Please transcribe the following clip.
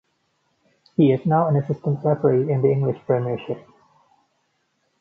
He is now an Assistant Referee in the English Premiership.